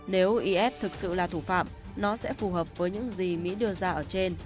nếu is thực sự là thủ phạm nó sẽ phù hợp với những gì mỹ đưa ra ở trên